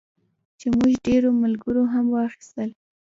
چې زموږ ډېرو ملګرو هم واخیستل.